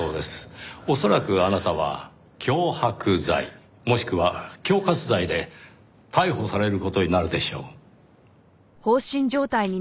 恐らくあなたは脅迫罪もしくは恐喝罪で逮捕される事になるでしょう。